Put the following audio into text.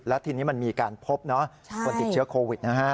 และทีนี้มันมีการพบคนติดเชื้อโควิดนะฮะ